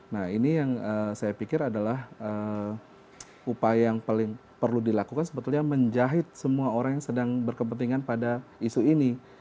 nah ini yang saya pikir adalah upaya yang paling perlu dilakukan sebetulnya menjahit semua orang yang sedang berkepentingan pada isu ini